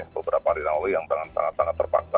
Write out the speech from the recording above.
beberapa rilang rilang yang sangat sangat terpaksa